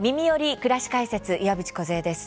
くらし解説」岩渕梢です。